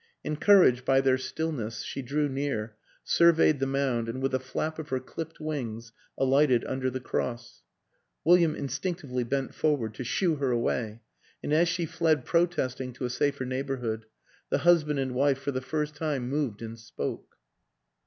Encouraged by their stillness, she drew near, surveyed the mound and with a flap of her clipped wings alighted under the cross. William instinctively bent forward to " shoo " her away, and as she fled protesting to a safer neighborhood the husband and wife for the first time moved and spoke.